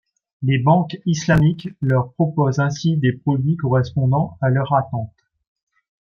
Les banques islamiques leur proposent ainsi des produits correspondants à leurs attentes.